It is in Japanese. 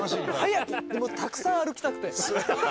早くたくさん歩きたくて。